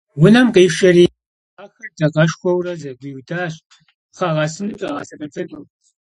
Унэм къишэри, пхъэхэр дакъэшхуэурэ зэгуиудащ, пхъэ гъэсыну къагъэсэбэпыну.